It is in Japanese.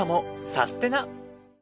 サステナ！